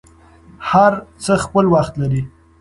هر څه خپل وخت لري.